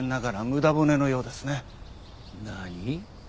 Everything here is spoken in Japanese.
何？